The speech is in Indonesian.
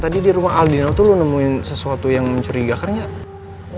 tadi di rumah aldinel tuh lo nemuin sesuatu yang mencurigakan gak